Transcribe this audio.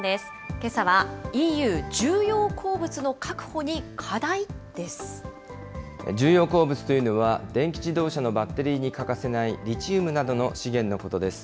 けさはＥＵ、重要鉱物というのは、電気自動車のバッテリーに欠かせないリチウムなどの資源のことです。